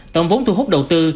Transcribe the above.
tổng vốn thu hút đầu tư